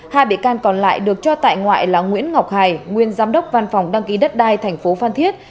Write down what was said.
hai bị can còn lại được cho tại ngoại là nguyễn ngọc hải nguyên giám đốc văn phòng đăng ký đất đai thành phố phan thiết